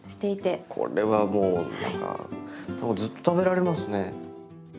これはもう何かずっと食べられますね。